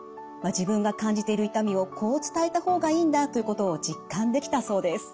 自分が感じている痛みをこう伝えた方がいいんだということを実感できたそうです。